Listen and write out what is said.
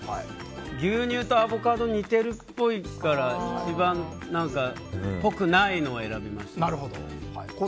牛乳とアボカドは似ているっぽいから一番ぽくないのを選びました。